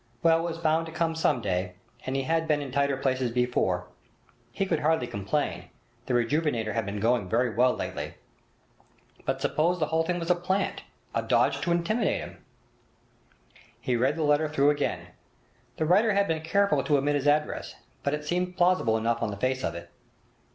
Well, it was bound to come some day, and he had been in tighter places before. He could hardly complain; the 'Rejuvenator' had been going very well lately. But suppose the whole thing was a plant—a dodge to intimidate him? He read the letter through again. The writer had been careful to omit his address, but it seemed plausible enough on the face of it.